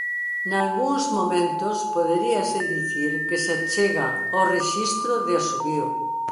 Nalgúns momentos poderíase dicir que se achega ao rexistro de asubío.